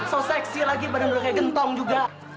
so seksi lagi badan lo kayak gentong juga